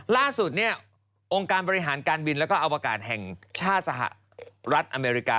ล่าสุดองค์การบริหารการบินและอวกาศแห่งชาติสหรัฐอเมริกา